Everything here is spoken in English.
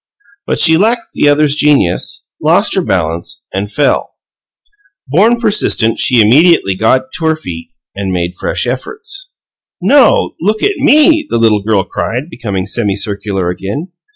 But she lacked the other's genius, lost her balance, and fell. Born persistent, she immediately got to her feet and made fresh efforts. "No! Look at ME!" the little girl cried, becoming semicircular again.